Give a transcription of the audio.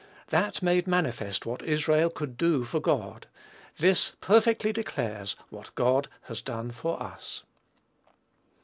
That made manifest what Israel could do for God; this perfectly declares what God has done for us.